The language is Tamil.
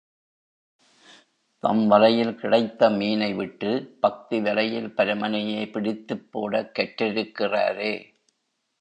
தம் வலையில் கிடைத்த மீனை விட்டு, பக்தி வலையில் பரமனையே பிடித்துப் போடக் கற்றிருக்கிறாரே.